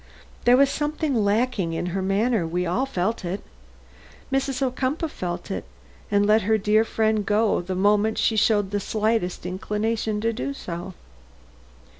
There was something lacking in her manner we all felt it; Mrs. Ocumpaugh felt it, and let her dear friend go the moment she showed the slightest inclination to do so."